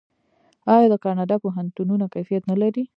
آیا د کاناډا پوهنتونونه کیفیت نلري؟